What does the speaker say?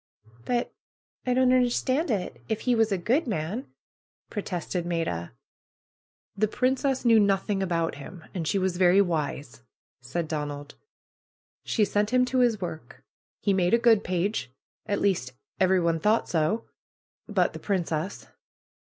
"But I don't understand it, if he was a good man," protested Maida. "The princess knew nothing about him, and she was very wise," said Donald. "She sent him to his work. He made a good page. At least, everyone thought so — but the princess."